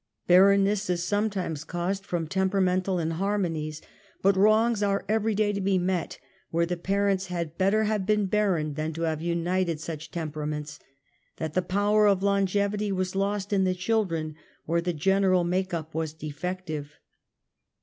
Barrenness is sometimes caused from temperament al inharmonies, but wrongs are every day to be met where the parents had better have been barren than to have united such temperaments, that the pov/er of longevity was lost in the children, or the general make up was defective.